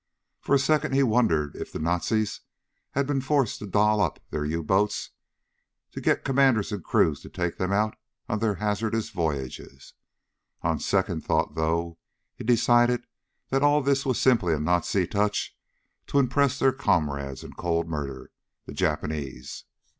For a second he wondered if the Nazis had been forced to "doll up" their U boats to get commanders and crews to take them out on their hazardous voyages. On second thought, though, he decided that all this was simply a Nazi touch to impress their comrades in cold murder, the Japanese.